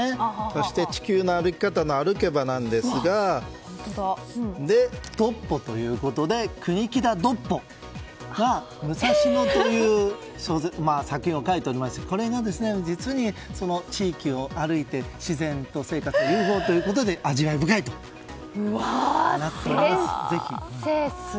そして、「地球の歩き方」の歩けばなんですが独歩ということで国木田独歩が武蔵野と書いていましてこれが実にその地域を歩いて自然と生活の融合ということで味わい深いとなっております。